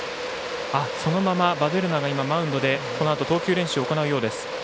そのままヴァデルナがマウンドでこのあと投球練習を行うようです。